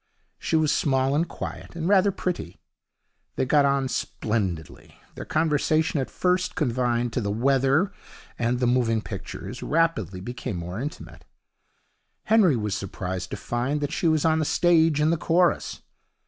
She was small and quiet, and rather pretty. They got on splendidly. Their conversation, at first confined to the weather and the moving pictures, rapidly became more intimate. Henry was surprised to find that she was on the stage, in the chorus.